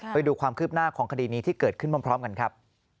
ไปดูความคืบหน้าของคดีนี้ที่เกิดขึ้นพร้อมกันครับ